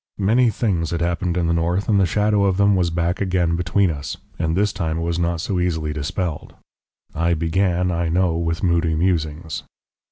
Many things had happened in the north, and the shadow of them was back again between us, and this time it was not so easily dispelled. I began, I know, with moody musings.